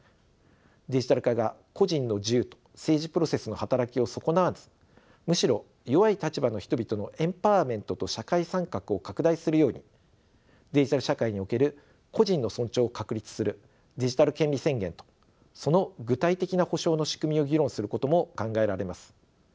デジタル化が個人の自由と政治プロセスの働きを損なわずむしろ弱い立場の人々のエンパワーメントと社会参画を拡大するようにデジタル社会における個人の尊重を確立するデジタル権利宣言とその具体的な保障の仕組みを議論することも考えられます。